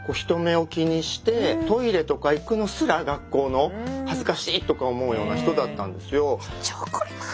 トイレとか行くのすら学校の恥ずかしいとか思うような人だったんですよ。ね。